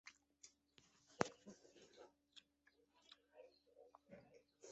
实化是概念分析与知识表示中最常用的技术。